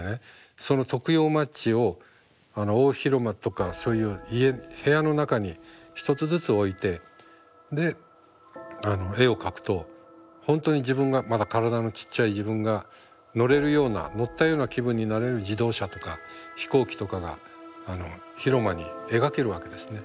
その徳用マッチを大広間とかそういう家部屋の中に１つずつ置いてで絵を描くと本当に自分がまだ体のちっちゃい自分が乗れるような乗ったような気分になれる自動車とか飛行機とかが広間に描けるわけですね。